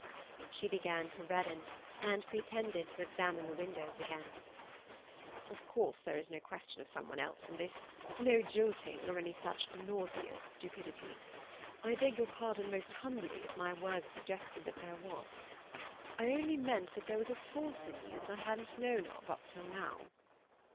She began to redden, and pretended to examine the windows again. "Of course, there is no question of 'someone else' in this, no 'jilting' or any such nauseous stupidity. I beg your pardon most humbly if my words suggested that there was. I only meant that there was a force in you that I hadn't known of up till now."